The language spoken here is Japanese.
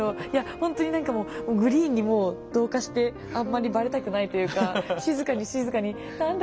ほんとに何かこうグリーンにもう同化してあんまりバレたくないというか静かに静かに何だ